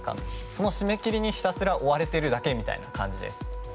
その締め切りにひたすら追われてるだけみたいな感じです。